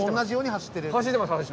走ってます。